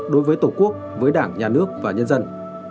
đối với tổ quốc với đảng nhà nước và nhân dân